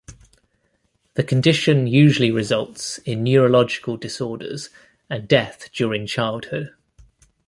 The condition usually results in neurological disorders and death during childhood.